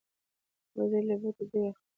وزې له بوټو بوی اخلي